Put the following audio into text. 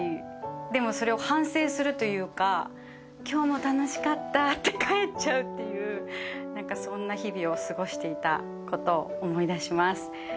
「でもそれを反省するというか今日も楽しかったって帰っちゃうというそんな日々を過ごしていたことを思い出します」